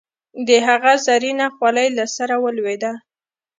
د هغه زرينه خولی له سره ولوېده.